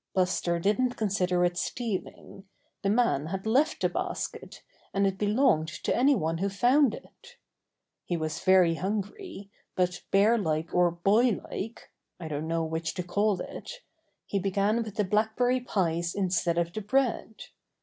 Buster didn't consider it stealing. The man had left the basket, and it belonged to any one who found it. He was very hungry, but bear like or boy like (I don't know which to call it) he began with the blackberry pies in stead of the bread.